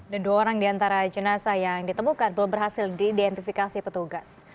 dan dua orang di antara jenazah yang ditemukan belum berhasil diidentifikasi petugas